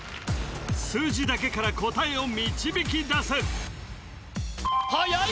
数字だけから答えを導き出せはやい